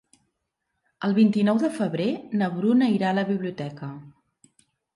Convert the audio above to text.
El vint-i-nou de febrer na Bruna irà a la biblioteca.